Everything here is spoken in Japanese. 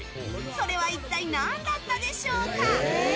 それは一体、何だったでしょう？